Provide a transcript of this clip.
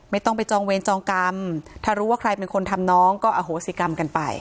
ไม่ต้องไปจองเวรจองกรรมถ้ารู้ว่าใครเป็นคนทำน้องก็อโหสิกรรมกันไป